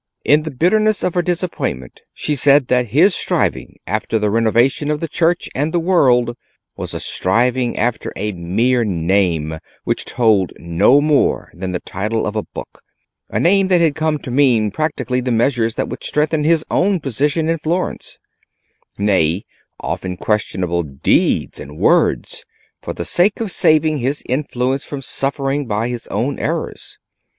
In the bitterness of her disappointment she said that his striving after the renovation of the Church and the world was a striving after a mere name which told no more than the title of a book: a name that had come to mean practically the measures that would strengthen his own position in Florence; nay, often questionable deeds and words, for the sake of saving his influence from suffering by his own errors.